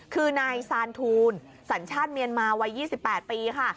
คือนายซานทูลสัญชาติเมียนมาวัย๒๘ปีค่ะ